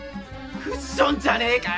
クッションじゃねぇかよ！